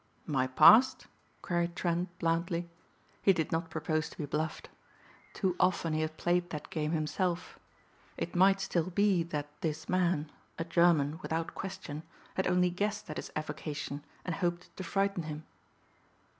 "My past?" queried Trent blandly. He did not propose to be bluffed. Too often he had played that game himself. It might still be that this man, a German without question, had only guessed at his avocation and hoped to frighten him.